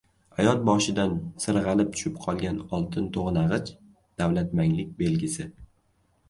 – ayol boshidan sirg‘alib tushib qolgan oltin to‘g‘nag‘ich davlatmanglik belgisi.